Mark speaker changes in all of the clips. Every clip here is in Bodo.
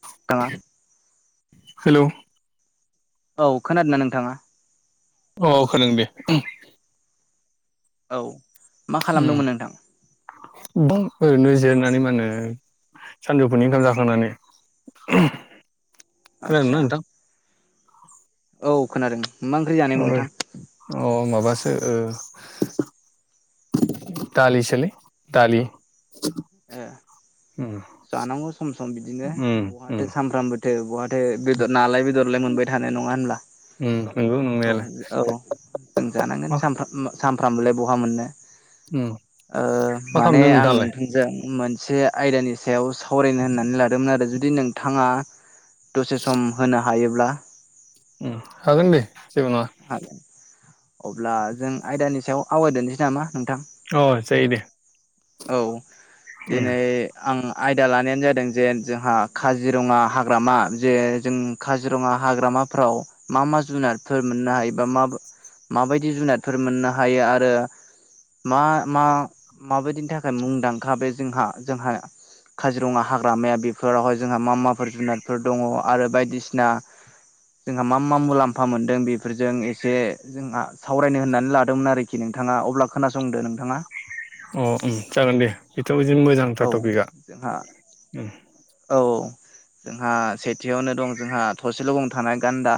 Speaker 1: [unintelligible]
Speaker 2: हेलौ
Speaker 1: औ खोनादोंना नोंथाङा।
Speaker 2: अ खोना दोंदे
Speaker 1: औ मा
Speaker 2: उम
Speaker 1: खालामदोंमोन नोंथां।
Speaker 2: गोबां ओरैनो जिरनानै मा होनो सानजौफुनि ओखाम जाखांनानै
Speaker 1: आदसा
Speaker 2: खोनादोंना नोंथां?
Speaker 1: औ खोनादों। मा ओंख्रि
Speaker 2: अ
Speaker 1: जानायमोन नोंथां
Speaker 2: अ माबासो ओ दालि सोलै दालि
Speaker 1: ए
Speaker 2: उम
Speaker 1: जानांगौ सम सम बिदिनो
Speaker 2: उम उम
Speaker 1: बहाथो सामफ्रामबो थो बहाथो बेदर नालाय बेदरलाय मोनबाय थानाय नङा होनब्ला?
Speaker 2: उम नंगौ
Speaker 1: औ
Speaker 2: नंनायालाय
Speaker 1: औ जों जानांगोन
Speaker 2: मा
Speaker 1: सानफ्रामबोलाय बहा मोननो।
Speaker 2: उम
Speaker 1: ओ
Speaker 2: मा
Speaker 1: माने
Speaker 2: खालामदों
Speaker 1: आं नों
Speaker 2: नोंथाङालाय
Speaker 1: मोनसे आयदानि सायाव सावरायनो होननानै लादोंमोन आरो जुदि नोंथाङा दसे सम होनो हायोब्ला।
Speaker 2: उम हागोनदे जेबो नङा।
Speaker 1: हागोन। अब्ला जों आयदानि सायाव आवगायदोनसै नामा? नोंथां
Speaker 2: अ जायो दे
Speaker 1: औ
Speaker 2: उम
Speaker 1: दिनै आं आयदा लानायानो जादों जे जोंहा काजिरङा हाग्रामा जे जों काजिरङा हाग्रा माफ्राव मा मा जुनारफोर मोननो हायोबा मा माबायदि जुनादफोर मोननो हायो आरो मा मा माबायदिनि थाखाय मुंदांखा बे जोंहा जोंहा काजिरङा हाग्रामाया बेफोरावहाय जोंहा मा माफोर जुनादफोर दङ आरो बायदिसिना जोंहा मा मा मुलाम्फा मोनदों बे बेफोरजों एसे जोंहा सावरायनो होननानै लादोंमोन आरोखि नोंथाङा अब्ला खोनासंदो नोंथाङा।
Speaker 2: अ उम जागोन दे बेथ' बिदिनो
Speaker 1: औ
Speaker 2: मोजांथार टपिकआ
Speaker 1: जोंहा
Speaker 2: उम
Speaker 1: औ जोंहा सेथियावनो दं जोंहा थरसेल' बुंनो थानाय गान्दा।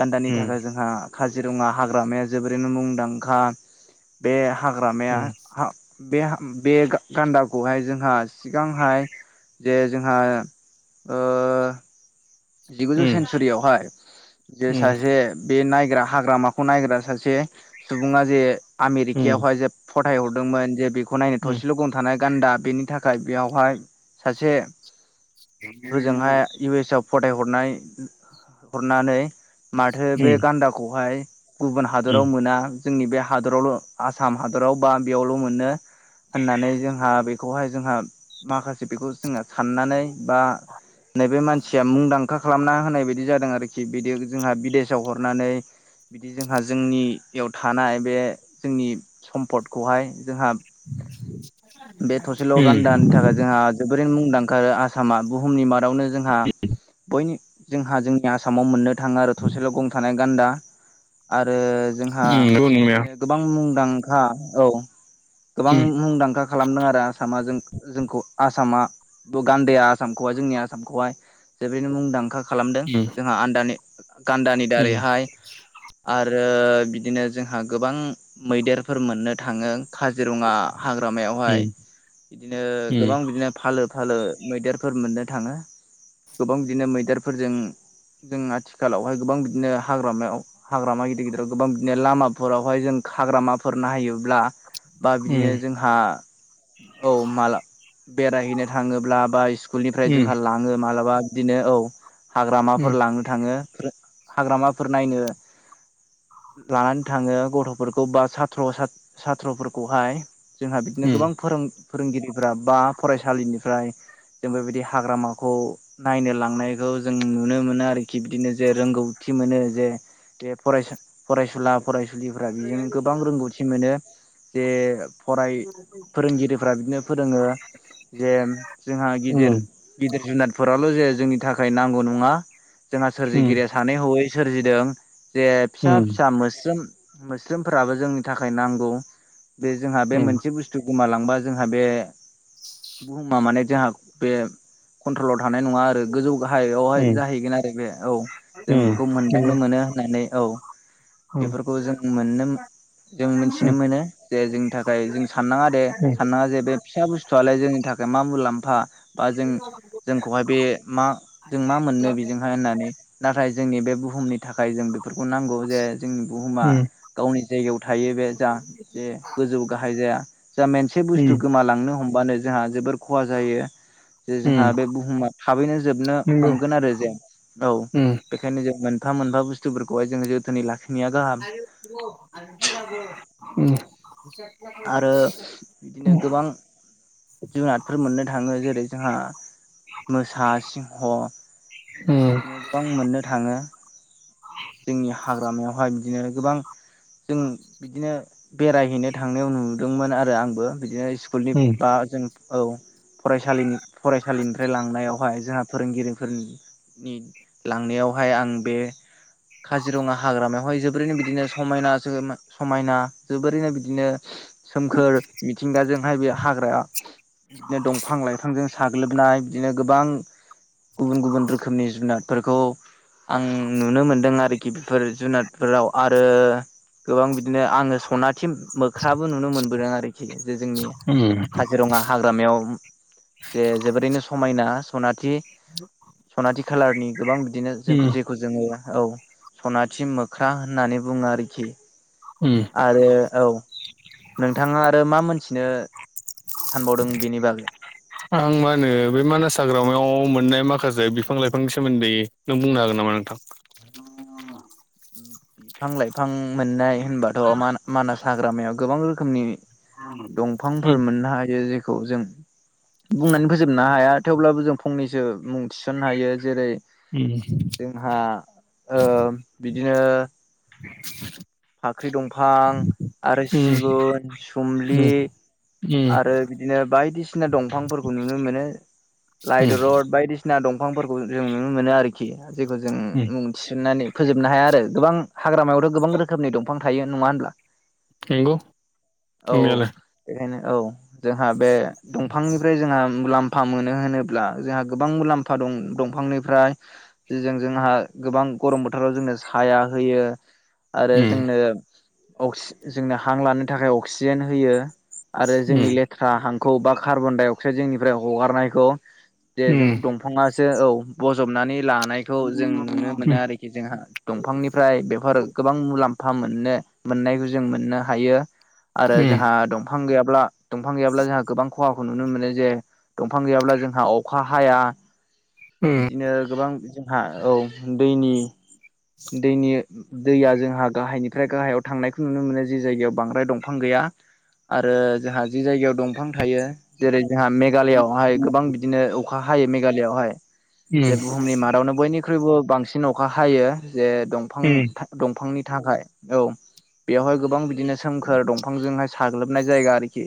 Speaker 1: गान्दानि थाखाय जोंहा काजिरङा हाग्रामाया जोबोरैनो मुंदांखा बे हाग्रामाया
Speaker 2: उम
Speaker 1: बे बे गान्दा खौहाय जोंहा सिगांहाय जे जोंहा जिगुजौ
Speaker 2: उम उम
Speaker 1: सेन्सुरियावहाय जे
Speaker 2: उम
Speaker 1: सासे बे नाय ग्रा हाग्रामाखौ नायग्रा सासे सुबुङा जे
Speaker 2: उम
Speaker 1: आमेरिकायावहाय जे फथाय हर दोंमोन जे बेखौ नायनो
Speaker 2: उम
Speaker 1: थसेल' गं थानाय गान्दा बेनि थाखाय बेयावहाय सासे होजोंहाय इउ एस आव फरायहरनाय हरनानै माथो बे
Speaker 2: उम
Speaker 1: गान्दाखौहाय गुबुन हादराव मोना जोंनि बे हादरावल' आसाम हादराव बा बेयावल' मोनो होननानै जोंहा बे खौहाय जोंहा माखासे बेखौ जोङो साननानै बा नैबे मानसि मुंदांखा खालामना होनाय बायदि जादों आरोखि बिदि जोंहा बिदेसाव हरनानै बिदि जोंहा जोंनियाव थानाय बे जोंनि सम्पदखौहाय जोंहा बे थसेल'
Speaker 2: उम
Speaker 1: गान्दानि थाखाय जोंहा जोबोरैनो मुंदांखा। ओंखारो आसामा बुहुमनि मादावनो जोंहा बयनि जोंहा जोंनि आसामाव मोननो थाङो आरो थसेल' गं थानाय गान्दा आरो आरो जोंहा
Speaker 2: उम नंगौ नंनाया
Speaker 1: बिदिनो गोबां मुंदांखा औ गोबां
Speaker 2: उम
Speaker 1: मुंदांखा खालामदों आरो आसामा जों जोंखौ आसामा गान्दाया आसामखौहाय जोंनि आसामखौहाय जोबोरैनो मुंदांखा खालामदों
Speaker 2: उम
Speaker 1: जोंहा आदानि गान्दानि
Speaker 2: उम
Speaker 1: दारैहाय आरो आरो बिदिनो जोंहा गोबां मैदेरफोर मोननो थाङो काजिरङा
Speaker 2: उम
Speaker 1: हाग्रामायावहाय बिदिनो गोबां बिदिनो फालो फालो मैदेरफोर मोननो थाङो गोबां बिदिनो मैदेरफोरजों जों आथिखालावहाय गोबां बिदिनो हाग्रामायाव हाग्रामा गिदिर गिदिराव गोबां बिदिनो लामाफोरावहाय जों हाग्रामाफोर नायाहोबब्ला बा बिदिनो जोंहा औ माला बेरायहैनो थाङोब्ला बा स्कुलनिफ्राय जोंहा लाङो मालाबा बा बिदिनो औ हाग्रामाफोर लानो थाङो हाग्रामाफोर नायनो लानानै थाङो गथ'फोरखौ बा साथ्र' सााथ्र'फोरखौहाय जोंहा बिदिनो गोबां फोरों फोरोंगिरि बा फरायसालिनिफ्राय जों बेबायदि हाग्रामाखौ नायनो लांनायखौ जों नुनो मोनो आरोखि बिदिनो जे रोंगौथि मोनो जे बे फरायसा फरायसुला फरायसुलिफ्रा बेजों गोबां रोंगौथि मोनो जे फराय फोरोंगिरिफोरा बिदिनो फोरोङो जे जोंहा गिदिर गिदिर जुनादफोराल' जे जोंनि थाखाय नांगौ नङा जोंहा सोरजिगिरिया सानै हयै सोरजिदों जे फिसा फिसा मोस्रोम मोस्रोमफोराबो जोंनि थाखाय नांगौ बे जोंहा बे मोनसे बुस्थु गोमालांबा जोंहा बे बुुहुमा माने जों खनट्रलाव थानाय नङा आरो गोजौ गाहाययावहाय जाहैगोन आरो बे औ जों बेखौ मोनदांनो मोनो होननानै औ बेफोरखौ जों मोननो जों मिथिनो मोनो जे जोंनि थाखाय जों साननाङा दे साननाङा जे बे फिसा बुस्थुआलाय जोंनि थाखाय मा मुलाम
Speaker 2: [inaudible] बुथिगिरिफोरनि जेबो खोनानो मोननाय जायाखै
Speaker 1: जोंखौहाय बे मा जों मा मोननो बेजोंहाय होननानै नाथाय जोंनि बे बुहुमनि नि थाखाय जों बेफोरखौ नांगौ जे जोंनि बुहुमा गावनि जायगायाव थायो बे जा ज गोजौ गाहाय जाया जों मोनसे बुस्थु गोमालांनो हमबानो जोंहा जोबोर खहा जायो जों बे बुहुमा थाबैनो जोबनो हमगोन आरो जे औ
Speaker 2: उम उम
Speaker 1: बेखायनो जों मोन मोनफा मोनफा बस्थुफोरखौहाय जों जोथोनै लाखि
Speaker 2: [inaudible] बुंथिगिरिनि जेबो खोनानो मोननाय जायाखै
Speaker 1: आरो बिदिनो गोबां जुनादफोर मोननो थाङो जेरै जोंहा मोसा सिंह
Speaker 2: उम
Speaker 1: बिदिनो गोबां मोननो थाङो जोंनि हाग्रामायावहाय बिदिनो गोबां जों बिदिनो बेरायहैनो थांनायाव नुदोंमोन आरो आंबो बिदिनो स्कुलनि बा जों औ फरायसालिनि फरायसालिनिफ्राय लांनायावहाय जोंहा फोरोंगिरिफोरनि लांनायावहाय आं बे काजिरङा हाग्रामायावहाय जोबोरैनो बिदिनो समायना समायना जोबोरैनो बिदिनो सोमखोर मिथिंगाजोंहाय बे हाग्राया बिदिनो दंफां लाइफांजों साग्लोबनाय बिदिनो गोबां गुबुन गुबुन रोखोमनि जुनारफोरखौ आं नुनो मोनदों आरोखि बेफोर जुनारफोराव आरो गोबां बिदिनो आङो सनाथि मोख्राबो नुनो मोनबोदों आरोखि जे जोंनि।
Speaker 2: उम
Speaker 1: काजिरङा हाग्रामायाव जे जोबोरैनो समायना सनाथि। सनाथि खालारनि गोबां बिदिनो जों
Speaker 2: उम
Speaker 1: जेखौ जोङो। औ सनाथि मोख्रा होननानै बुंङो आरोखि।
Speaker 2: उम
Speaker 1: आरो औ नोंथांङा आरो मा मोनथिनो? सानबावदों बेनि बागै?
Speaker 2: मा होन बे मानास हाग्रा। आव मोननाय माखासे बिफां लाइफांनि सोमोन्दै नों बुंनो हागोन नामा नोंथां?
Speaker 1: बिफां लाइफां मोननाय होनबाथ' मानास हाग्रामायाव गोबां रोखोमनि। दंफांफोर
Speaker 2: उम
Speaker 1: मोननो हायो जेखौ जों। बुंनानै फोजोबनो हाया थेवब्लाबो जों फंनैसो मुं थिसननो हायो जेरै।
Speaker 2: उम
Speaker 1: जोंहा ओ बिदिनो।
Speaker 2: [unintelligible]
Speaker 1: फाख्रि दंफां आरो
Speaker 2: उम
Speaker 1: सिगुन सुमलि।
Speaker 2: उम
Speaker 1: आरो बिदिनो बायदिसिना दंफांफोरखौ नुनो मोनो।
Speaker 2: उम
Speaker 1: लायद रद बायदिसिना दं। दंफांफोरखौ जों नुनो मोनो आरोखि जेखौ जों
Speaker 2: उम
Speaker 1: मुं थिसन्नानै फोजोबनो हाया आरो। गोबां हाग्रामायावथ' गोबां रोखोमनि दंफां थायो नङा होनब्ला?
Speaker 2: नंगौ
Speaker 1: औ
Speaker 2: नंनायालाय।
Speaker 1: बेखायनो औ जोंहा बे दंफांनिफ्राय जोंहा। मुलाम्फा मोनो होनोब्ला जोंहा गोबां मुलाम्फा दं दंफांनिफ्राय जों जोंहा गोबां गरम बोथोराव जोंनो साया होयो। आरो
Speaker 2: उम
Speaker 1: जोंनो अक्सि जोंनो हां लानो थाखाय अक्सिजेन होयो। आरो
Speaker 2: उम उम
Speaker 1: जोंनि लेथ्रा हांखौ बा कार्बन डाइ अक्साइड जोंनिफ्राय हगारनायखौ दे जों
Speaker 2: उम
Speaker 1: दंफाङासो औ बज'बनानै। लानायखौ जों नुनो मोनो
Speaker 2: उम
Speaker 1: आरोखि जोंहा दंफांनिफ्राय बेफोर गोबां मुलाम्फा मोननो मोननायबो जों मोननो हायो आरो जोंहा दंफां गैया ब्ला दंफां गैया बा जोंहा। गोबां खहाखो नुनो मोनो जे दंफां गैब्ला जोंहा अखाहाया। बिदिनो गोबां जोंहा औ दैनि दैनि दैया जोंहा गाहायनिफ्राय गाहायाव थांनायखौ नुनो मोनो जि जायगायाव बांद्राय दंफां गैया। आरो जोंहा जि जायगायाव दंफां थायो जेरै जोंहा मेघालयआवहाय गोबां बिदिनो अखा हायो मेघालयआवहाय जे
Speaker 2: उम
Speaker 1: बुहुमनि मादावनो बयनि ख्रुइबो बांसिन अखा हायो जे दंफां दंफांनि थाखाय औ बेयावहाय गोबां बि बिदिनो सोमखोर दंफांजोंहाय साग्लोबनाय जायगा आरोखि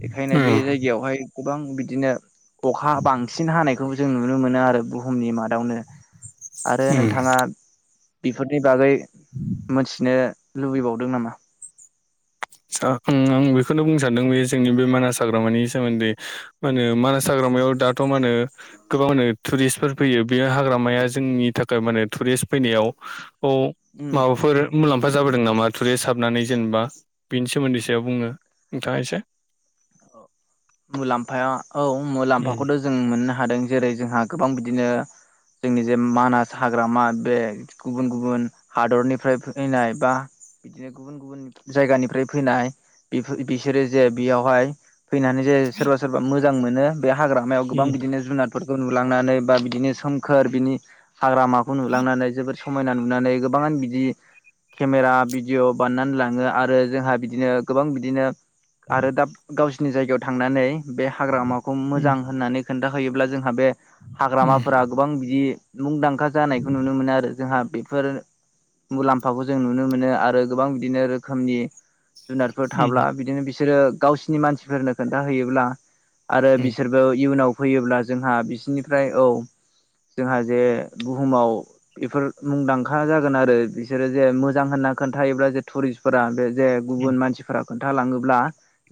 Speaker 1: बेखायनो
Speaker 2: उम
Speaker 1: बे जायगायावहाय गोबां बिदिनो अखा बांसिन हानायखौ जों नुनो मोनो आरो बुहुमनि मादावनो आरो
Speaker 2: उम
Speaker 1: नोंथांङा बेफोरनि बागै मोनथिनो लुबैबावदों नामा?
Speaker 2: सा उम आं बेखौनो बुंनो सानदों बे जोंनि बे मानास हाग्रामानि सोमोन्दै मा होनो मानास हाग्र हाग्रामायाव दाथ' माने गोबां टुरिस्टफोर फैयो बे हाग्रामाया जोंनि थाखाय माने टुरिस्ट फैनायाव औ
Speaker 1: उम
Speaker 2: माबाफोर मुलाम्फा जाबोदों नामा टुरिस्ट हाबनानै जेनेबा बेनि सोमोन्दै सायाव बुंनो नोंथांङा एसे?
Speaker 1: मुलाम्फाया औ
Speaker 2: उम
Speaker 1: मुलाम्फाखौथ' जों मोननो हादों जेरै जोंहा गोबां बिदि बिदिनो। जोंनि जे मानास हाग्रामा बे गुबुन गुबुन हादरनिफ्राय फैनाय बा बिदिनो गुबुन गुबुन जायगानिफ्राय फैनाय बिफोर बिसोरो जे बेयावहाय फैनानै जे सोरबा सोरबा मोजां मोनो बे हाग्रामायाव गोबां
Speaker 2: उम
Speaker 1: बिदिनो जुनार फोरखौ नुलांनानै बा बिदिनो सोमखोर बिनि हाग्रामाखौ नुलांनानै जोबोर समायना नुनानै गोबांआनो बिदि केमेरा भिडिअ' बानायनानै लांङो आरो जोंहा बिदिनो गोबां बिदिनो आरो दा गावसिनि जायगायाव थांनानै बे हाग्रामाखौ
Speaker 2: उम
Speaker 1: मोजां होननानै खोन्था होयोब्ला जोंहा बे
Speaker 2: उम उम
Speaker 1: हाग्रामाफोरा गोबां बिदि मुंदांखा जानायखौ नुनो मोनो आरो जोंहा बेफोर मुलाम्फाखौ जों नुनो मोनो आरो गोबां बिदिनो रोखोमनि जुनारफोर
Speaker 2: उम
Speaker 1: थाब्ला बिदिनो बिसोरो गावसिनि मानसिफोरनो खोन्थाहैयोब्ला आरो बिसोरबो इयुनाव फैयोब्ला जोंहा बिसोरनिफ्राय औ जोंहा जे बुहुमाव बेफोर मुंदांखा जागोन आरो बिसोरो जे मोजां होन खोन्थायोब्ला जे थुरिस्फोरा बे जे गुबुन मानसिफोरा खोन्थालाङोब्ला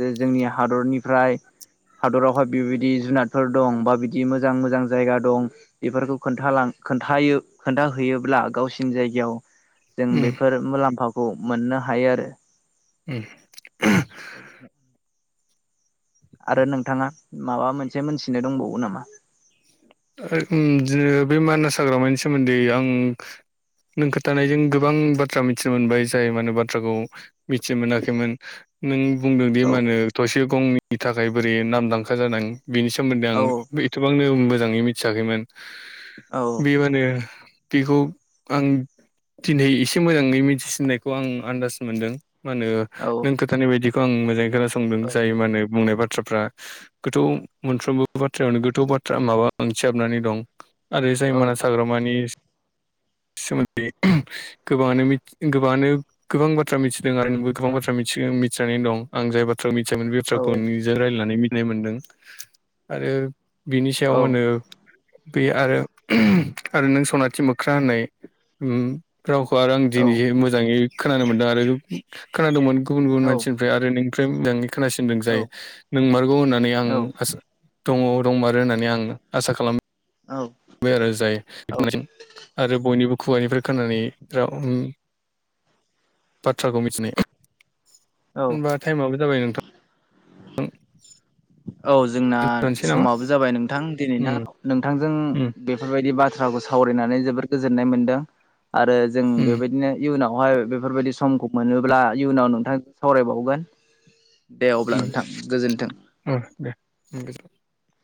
Speaker 1: जे जोंनि हादरनिफ्राय हादरावहाय बेबायदि जुनादफोर दं बा बिदि मोजां मोजां जायगा दं बेफोरखौ खोन्थालां खोन्थायो खोन्थाहैयोब्ला गावसिनि जायगायाव जों बेफोर मुलाम्फाखौ मोननो हायो आरो
Speaker 2: ए
Speaker 1: औ आरो नोंथाङा माबा मोनसे मोनथिनो दंबावो नामा
Speaker 2: ओम बिदिनो बे मानास हाग्रामानि सोमोन्दै आं नों खोथानायजों गोबां बाथ्रा मिथिनो मोनबाय जाय माने बाथ्राखौ मिथि मोनाखैमोन नों बुंदोंदि
Speaker 1: औ
Speaker 2: मा होनो थसे गंनि थाखाय बोरै नामदांखा जादों बिनि सोमोन्दै आं
Speaker 1: औ
Speaker 2: एथबांनो मोजाङै मिथियाखैमोन
Speaker 1: औ
Speaker 2: बे माने बेखौ आं दिनै एसे मोजाङै मिथिसिननायखौ आं आन्दाज मोनदों मा होनो
Speaker 1: औ
Speaker 2: नों खोथानाय बायदिखौ आं मोजाङै खोनासंदों
Speaker 1: औ
Speaker 2: जायो मा नो बुंनाय बाथ बाथ्राफ्रा गोथौ मोनफ्रोमबो बाथ्रायावनो गोथौ बाथ्रा माबा ओंथिाबनानै दं आरो जाय
Speaker 1: औ
Speaker 2: मानास हाग्रामानि
Speaker 1: [inaudible]
Speaker 2: सोमोन्दै गोबाङानो मिथि गोबाङानो गोबां बाथ्रा मिथिदों आरो नोंबो गोबां बाथ्रा मिथिदों मिथिनानै दं आं जाय बाथ्रा मिथि बेफोरखौ निजों रायायनानै मिथिनाय मोनदों आरो मोनो बे आरो आरो नों सनाथि मोख्रा होननाय ओमम रावखौ आरो आं
Speaker 1: औ औ
Speaker 2: दिनैह मोजाङै खोनानो मोनदों आरो खोनादोंमोन गुबुन गुबुन
Speaker 1: औ
Speaker 2: मानसिनिफ्राय आरो नों मोजाङै खोनासिंदों
Speaker 1: औ
Speaker 2: जायो नोंमारगौ होननानै आं
Speaker 1: औ
Speaker 2: आसा दङ दंमारो होननानै आं आसा खालामो बे आरो जाय
Speaker 1: औ
Speaker 2: आरो बयनिबो खुगानिफ्राय खोनानानै राव बाथ्राखौ मिथिनाय
Speaker 1: औ
Speaker 2: होनबा टाइमाबो जाबाय नोंथां
Speaker 1: औ जोंना
Speaker 2: दोनसै नामा
Speaker 1: समाबो जाबाय नोंथां दिनै ना
Speaker 2: उम
Speaker 1: नोंथांजों
Speaker 2: उम
Speaker 1: बेफोरबायदि बाथ्रा बाथ्राखौ सावरायनानै जोबोर गोजोननाय मोनदों आरो जों
Speaker 2: उम
Speaker 1: बेबायदिनो इयुनाव बेावहाय बेफोरबायाददि समखौ मोनोब्ला इयुनाव नोंथां सावरायबावगोन दे अब्ला
Speaker 2: उम
Speaker 1: नोंथां गोजोन्थों
Speaker 2: [inaudible]